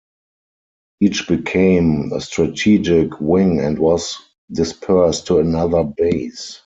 Each became a strategic wing and was dispersed to another base.